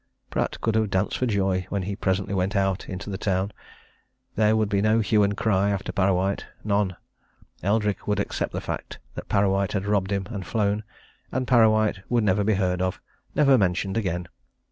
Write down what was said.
Pratt could have danced for joy when he presently went out into the town. There would be no hue and cry after Parrawhite none! Eldrick would accept the fact that Parrawhite had robbed him and flown and Parrawhite would never be heard of never mentioned again.